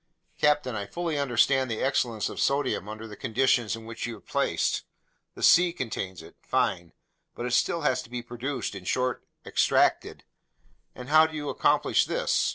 "Captain, I fully understand the excellence of sodium under the conditions in which you're placed. The sea contains it. Fine. But it still has to be produced, in short, extracted. And how do you accomplish this?